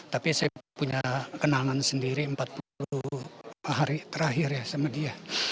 tapi saya punya kenangan sendiri empat puluh hari terakhir ya sama dia